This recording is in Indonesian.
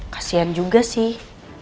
kasian juga sih